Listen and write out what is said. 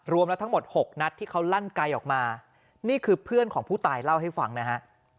รวมแล้วทั้งหมด๖นัดที่เขาลั่นไกลออกมานี่คือเพื่อนของผู้ตายเล่าให้ฟังนะฮะ